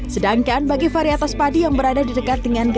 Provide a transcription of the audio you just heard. sedangkan bagi varietas padi yang berada di dekat dengan gas